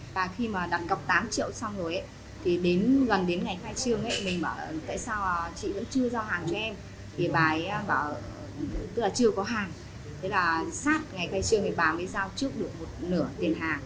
và khi mà đặt cọc tám triệu xong rồi thì gần đến ngày khai trương mình bảo tại sao chị vẫn chưa giao hàng cho em thì bà ấy bảo tức là chưa có hàng thế là sát ngày khai trương thì bà mới giao trước được một nửa tiền hàng